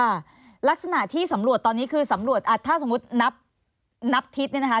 ค่ะลักษณะที่สำรวจตอนนี้คือสำรวจอ่ะถ้าสมมุตินับนับทิศเนี่ยนะคะ